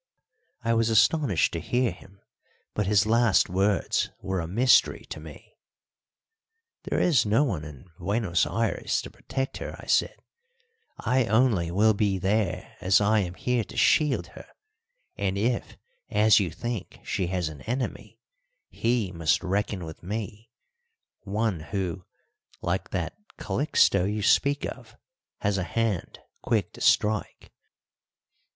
I was astonished to hear him, but his last words were a mystery to me. "There is no one in Buenos Ayres to protect her," I said; "I only will be there as I am here to shield her, and if, as you think, she has an enemy, he must reckon with me one who, like that Calixto you speak of, has a hand quick to strike."